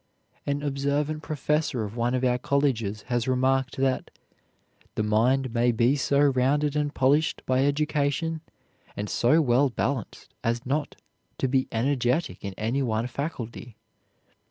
An observant professor of one of our colleges has remarked that "the mind may be so rounded and polished by education, and so well balanced, as not to be energetic in any one faculty.